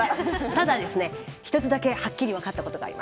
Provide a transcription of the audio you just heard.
ただですね一つだけはっきり分かったことがあります。